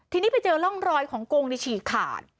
ทีนี้ไปเจอร่องรอยของกงในฉีกขาด